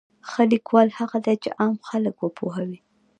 ښه لیکوال هغه دی چې عام خلک وپوهوي.